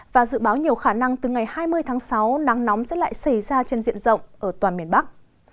và dự báo nhiều khả năng từ ngày hai mươi tháng sáu nắng nóng sẽ lại xảy ra trên diện rộng ở toàn miền bắc